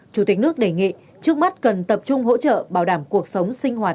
chủ tịch nước đề nghị trước mắt cần tập trung hỗ trợ bảo đảm cuộc sống sinh hoạt